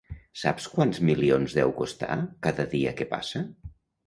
Saps quants milions deu costar, cada dia que passa?